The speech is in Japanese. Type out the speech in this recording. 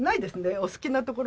お好きなところで。